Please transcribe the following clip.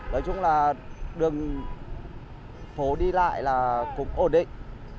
nói chung là đường phố đi lại là cũng ổn định